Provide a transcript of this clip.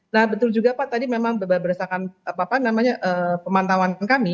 nah betul juga pak tadi memang berdasarkan pemantauan kami